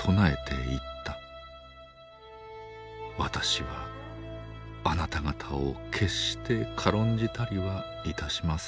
「私はあなた方を決して軽んじたりはいたしません。